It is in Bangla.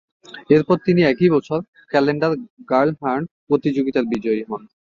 এরপর তিনি একই বছর ক্যালেন্ডার গার্ল হান্ট প্রতিযোগিতার বিজয়ী হন।